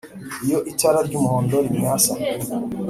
Iyo itara ry'umuhondo rimyatsa